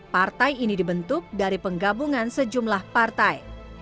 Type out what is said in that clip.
partai ini dibentuk dari penggabungan sejumlah partai